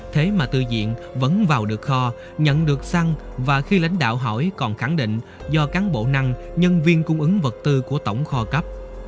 thế mà tư diện vẫn vào được kho nhận được xăng và khi lãnh đạo hỏi còn khẳng định do cán bộ năng nhân viên cung ứng vật tư của tổng kho cắp